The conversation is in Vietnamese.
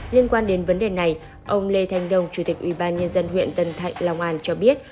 liên quan đến vấn đề này ông lê thanh đông chủ tịch ubnd huyện tân thạnh long an cho biết